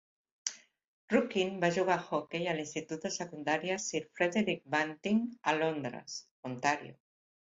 Rucchin va jugar a hoquei a l'institut de secundària Sir Frederick Banting a Londres, Ontario.